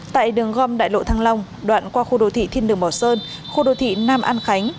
tại đường gom đại lộ thăng long đoạn qua khu đô thị thiên đường mỏ sơn khu đô thị nam an khánh